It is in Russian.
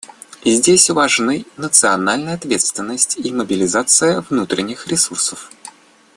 Здесь важны национальная ответственность и мобилизация внутренних ресурсов.